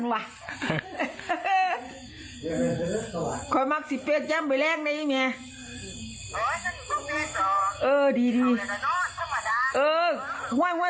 เออว่าจะยิ่งคืนกาบฟ